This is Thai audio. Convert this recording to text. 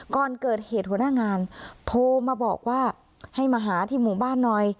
ก่อนเกิดเหตุหัวหน้างานโทรมาบอกว่าให้มาหาที่หมู่บ้านหน่อย